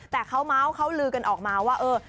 แต่เขาม้าวเขาลือกันออกมาว่า